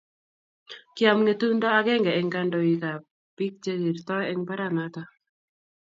Kiam ngetundo agenge eng kandoikab bik che keertoi eng mbaranato